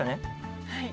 はい。